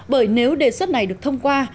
bởi nếu đề xuất này được thông qua